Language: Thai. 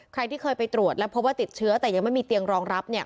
ใครที่เคยไปตรวจแล้วพบว่าติดเชื้อแต่ยังไม่มีเตียงรองรับเนี่ย